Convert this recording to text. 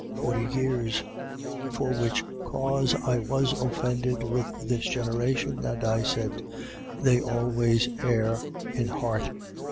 Forty years: for which cause I was offended with this generation, and I said: They always err in heart.